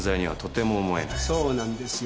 そうなんですよ。